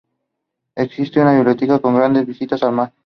Existe una biblioteca con grandes vistas al mar.